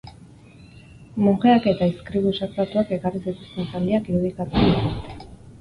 Monjeak eta izkribu sakratuak ekarri zituzten zaldiak irudikatzen dituzte.